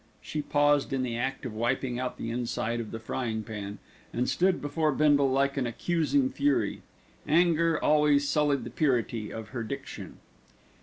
She paused in the act of wiping out the inside of the frying pan, and stood before Bindle like an accusing fury. Anger always sullied the purity of her diction.